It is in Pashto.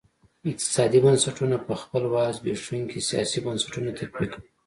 اقتصادي بنسټونه په خپل وار زبېښونکي سیاسي بنسټونه تقویه کوي.